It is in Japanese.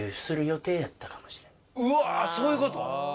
うわそういうこと？